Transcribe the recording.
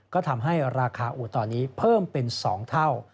ก็ทำให้ราคาอูดตอนนี้เพิ่มเป็น๒เท่า